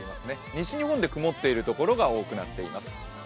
西日本で曇っているところが多くなっています。